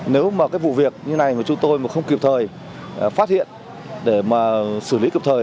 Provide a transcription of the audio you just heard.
nếu mà cái vụ việc như này mà chúng tôi mà không kịp thời phát hiện để mà xử lý kịp thời